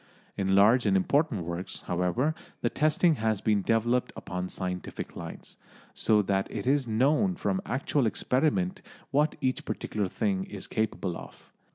In large and important works, however, the testing has been developed upon scientific lines, so that it is known from actual experiment what each particular thing is capable of.